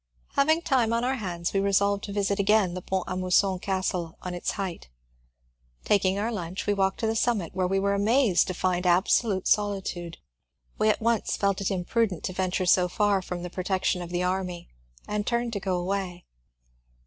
Having time on our hands, we resolved to visit again the Pont a Mousson castle on its height. Taking our lunch we walked to the summit, where we were amazed to find absolute solitude. We at once felt it imprudent to venture so far from the protection of the army and turned to go away.